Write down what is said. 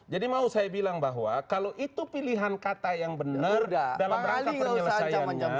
jadi mau saya bilang bahwa kalau itu pilihan kata yang benar dalam pernyataan penyelesaiannya